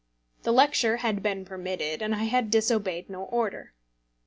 The lecture had been permitted, and I had disobeyed no order.